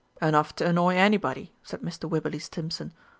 "Enough to annoy anybody," said Mr. Wibberley Stimpson.